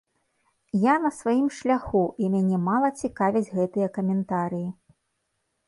Я на сваім шляху, і мяне мала цікавяць гэтыя каментарыі.